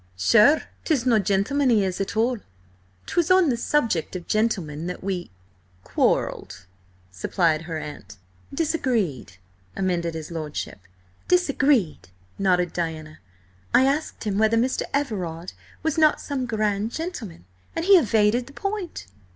"Sure, 'tis no gentleman he is, at all!" "'Twas on the subject of gentlemen that we—" "Quarrelled," supplied her aunt. "Disagreed," amended his lordship. "Disagreed," nodded Diana. "I asked him whether Mr. Everard was not some grand gentleman, and he evaded the point."